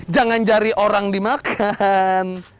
jangan jadi orang dimakan